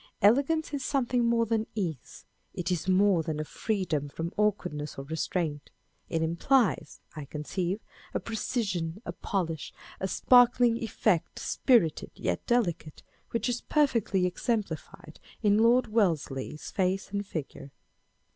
Elegance is something more than ease ; it is more than a freedom from awkwardness or restraint. It implies, I conceive, a precision, a polish, a sparkling effect, spirited yet delicate, which is perfectly exemplified in Lord Wellesley's face and figure.